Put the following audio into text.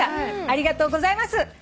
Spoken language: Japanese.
ありがとうございます。